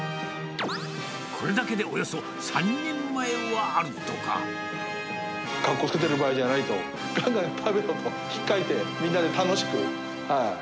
これだけでおよそ３人前はあるとカッコつけてる場合じゃないと、がんがん食べろと、引っかいてみんなで楽しく。